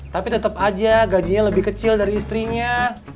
tapi tetap aja gajinya lebih kecil dari istrinya